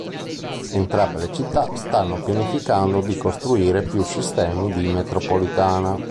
Entrambe le città stanno pianificando di costruire più sistemi di metropolitana.